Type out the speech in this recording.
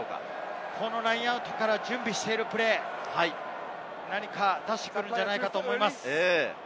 ラインアウトから準備しているプレー、何か出してくるんじゃないかと思います。